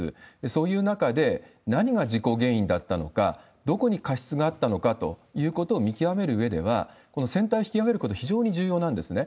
そういう中で、何が事故原因だったのか、どこに過失があったのかということを見極めるうえでは、この船体を引き揚げることは非常に重要なんですね。